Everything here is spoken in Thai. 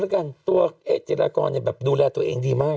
เพราะว่าเอ๊ะเจรกรเนี่ยแบบดูแลตัวเองดีมาก